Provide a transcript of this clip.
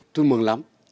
tôi mừng lắm